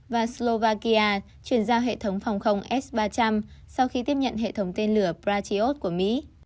và slovakia chuyển giao hệ thống phòng không s ba trăm linh sau khi tiếp nhận hệ thống tên lửa pratios của mỹ